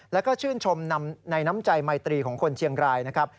แล้วก็ชื่นชมในน้ำใจไมตรีของคนเชียงรายนะครับ